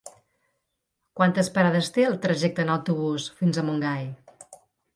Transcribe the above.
Quantes parades té el trajecte en autobús fins a Montgai?